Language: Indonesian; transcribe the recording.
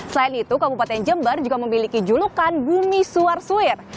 selain itu kabupaten jember juga memiliki julukan bumi suar suir